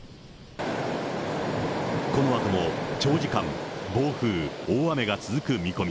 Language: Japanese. このあとも長時間、暴風、大雨が続く見込み。